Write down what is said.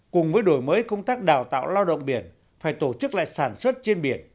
cùng với đổi mới công tác đào tạo lao động biển phải tổ chức lại sản xuất trên biển